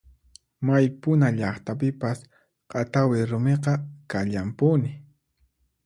May puna llaqtapipas q'atawi rumiqa kallanpuni.